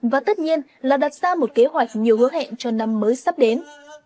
và tất nhiên là đặt ra một kế hoạch nhiều hứa hẹn cho năm mới sắp đến